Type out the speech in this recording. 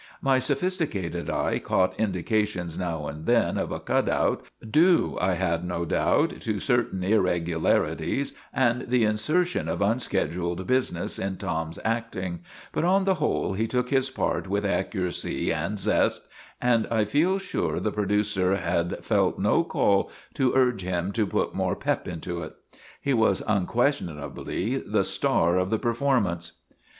My sophisticated eye caught indications now and then of a cut out, due, I had no doubt, to certain irregularities and the insertion of unscheduled busi ness in Tom's acting, but on the whole he took his part with accuracy and zest, and I feel sure the pro ducer had felt no call to urge him to " put more pep into it." He was unquestionably the star of the per formance.